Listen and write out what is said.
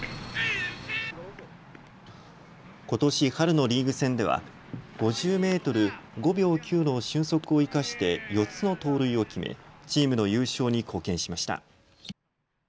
ことし春のリーグ戦では５０メートル、５秒９の俊足を生かして４つの盗塁を決めチームの優勝に貢献しました。